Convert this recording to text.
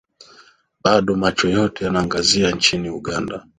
bado macho yote yanaangazia nchini uganda